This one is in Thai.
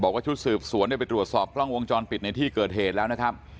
ชุดสืบสวนได้ไปตรวจสอบกล้องวงจรปิดในที่เกิดเหตุแล้วนะครับ